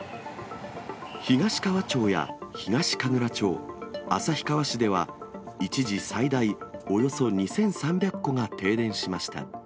東川町や東神楽町、旭川市では、一時、最大およそ２３００戸が停電しました。